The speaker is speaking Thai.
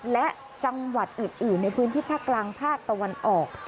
และจังหวัดอื่นในพื้นที่ภาคกลางภาคตะวันออก